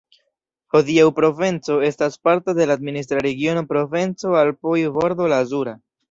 Hodiaŭ Provenco estas parto de la administra regiono Provenco-Alpoj-Bordo Lazura.